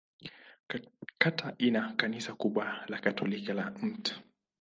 Kata ina kanisa kubwa la Katoliki la Mt.